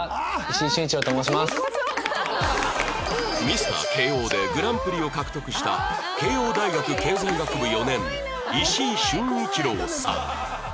ミスター慶應でグランプリを獲得した慶應大学経済学部４年石井隼一郎さん